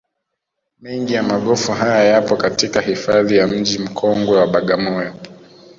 Mengi ya magofu haya yapo katika hifadhi ya mji mkongwe wa Bagamoyo